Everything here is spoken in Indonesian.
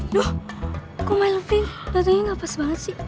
aduh kok my loving datangnya gak pas banget sih